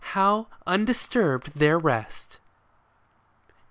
how undisturbed their rest